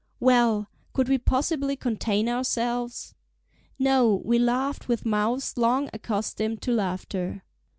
Well! Could we possibly contain ourselves? No, we laughed with mouths long accustomed to laughter.